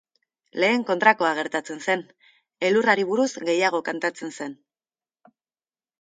Lehen kontrakoa gertatzen zen, elurrari buruz gehiago kantatzen zen.